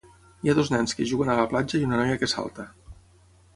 Hi ha dos nens que juguen a la platja i una noia que salta.